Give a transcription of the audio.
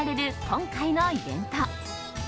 今回のイベント。